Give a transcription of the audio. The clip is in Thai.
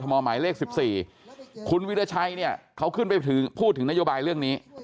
หมายเลข๑๔คุณวิราชัยเนี่ยเขาขึ้นไปพูดถึงนโยบายเรื่องนี้